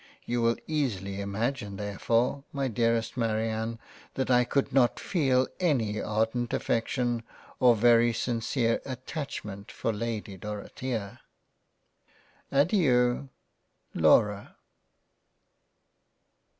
You will easily imagine therefore my Dear Marianne that I could not feel any ardent affection or very sincere Attachment for Lady Dorothea. Adeiu Laura.